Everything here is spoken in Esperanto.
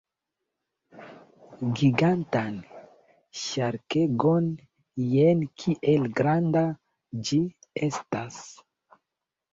Gigantan ŝarkegon! Jen kiel granda ĝi estas!